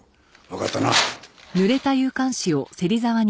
わかったな。